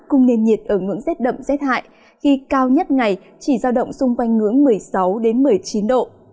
cùng nền nhiệt ở ngưỡng rét đậm rét hại khi cao nhất ngày chỉ giao động xung quanh ngưỡng một mươi sáu một mươi chín độ